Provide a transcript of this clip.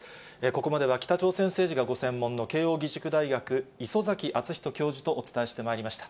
ここまでは北朝鮮政治がご専門の慶応義塾大学、礒崎敦仁教授とお伝えしてまいりました。